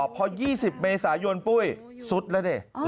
พอ๒๐เมษายนปุ้ยสุดแล้วดิ